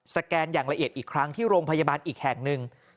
แกนอย่างละเอียดอีกครั้งที่โรงพยาบาลอีกแห่งหนึ่ง